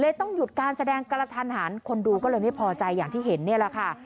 ต้องหยุดการแสดงกระทันหันคนดูก็เลยไม่พอใจอย่างที่เห็นนี่แหละค่ะ